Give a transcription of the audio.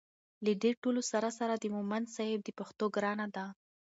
له دې ټولو سره سره د مومند صیب د پښتو ګرانه ده